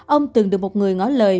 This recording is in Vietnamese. ông từng được một người ngó lời